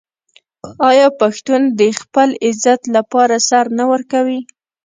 آیا پښتون د خپل عزت لپاره سر نه ورکوي؟